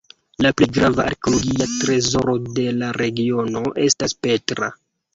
La plej grava arkeologia trezoro de la regiono estas Petra.